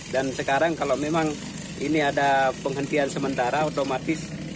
dan sekarang kalau memang ini ada penghentian sementara otomatis